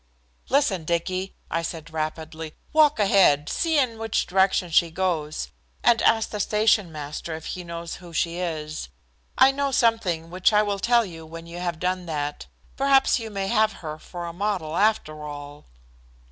"Listen, Dicky," I said rapidly. "Walk ahead, see in which direction she goes, and ask the station master if he knows who she is. I know something which I will tell you when you have done that. Perhaps you may have her for a model, after all."